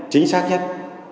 chính xác nhất